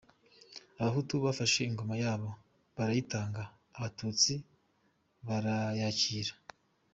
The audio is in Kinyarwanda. Abahutu bafashe ingoma yabo barayitanga, abatutsi barayakire.